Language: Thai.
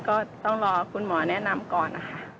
ก็ต้องรอคุณหมอแนะนำก่อนนะคะ